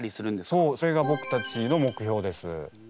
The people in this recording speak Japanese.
そうそれがぼくたちの目標です。